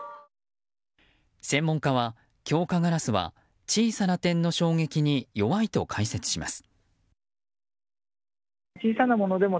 専門家は強化ガラスは小さな点の衝撃に弱いと解説します。